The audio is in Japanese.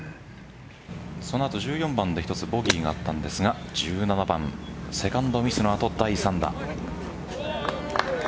その後、１４番で１つボギーがあったんですが１７番、セカンドミスの後第３打。